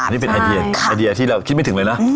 อันนี้เป็นไอเดียที่เราคิดไม่ถึงเลยนะ